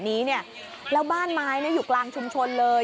นี้เนี่ยแล้วบ้านไม้อยู่กลางชุมชนเลย